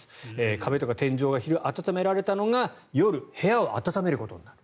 壁とか天井が昼暖められたのが夜、部屋を暖めることになる。